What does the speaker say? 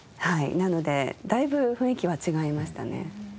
なのでだいぶ雰囲気は違いましたね。